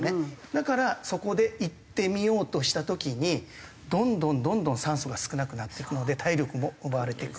だからそこで行ってみようとした時にどんどんどんどん酸素が少なくなっていくので体力も奪われていく。